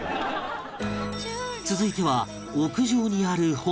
続いては屋上にある本殿へ